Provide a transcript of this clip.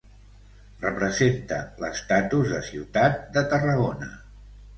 Representa l'estatus de ciutat de Tarragona.